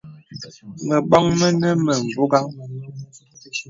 Məbɔŋ mənə mə bɔghaŋ.